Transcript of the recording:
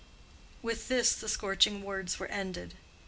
With this the scorching words were ended.